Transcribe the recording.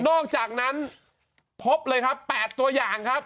นอกจากนั้นพบเลยครับ๘ตัวอย่างครับ